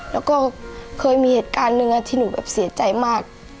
แล้วก็เคยมีเหตุการณ์หนึ่งที่หนูแบบเสียใจมาก